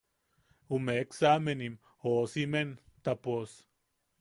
Ume examenim joosimen ta pos.